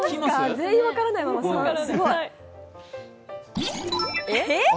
全員分からないまま３、すごい。